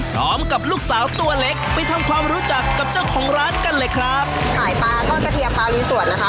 ลูกสาวตัวเล็กไปทำความรู้จักกับเจ้าของร้านกันเลยครับขายปลาทอดกระเทียมปลาลุยสวนนะคะ